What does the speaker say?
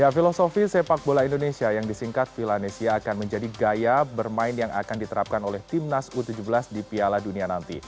filosofi sepak bola indonesia yang disingkat vilanesia akan menjadi gaya bermain yang akan diterapkan oleh timnas u tujuh belas di piala dunia nanti